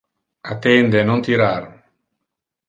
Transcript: Attende, non tirar!